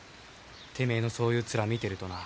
てめえのそういう面見てるとな。